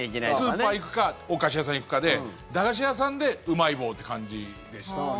スーパー行くかお菓子屋さん行くかで駄菓子屋さんでうまい棒って感じでしたね。